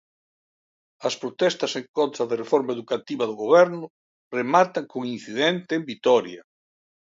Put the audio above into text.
As protestas en contra da reforma educativa do Goberno rematan con incidente en Vitoria.